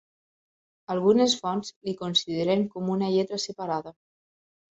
Algunes fonts li consideren com una lletra separada.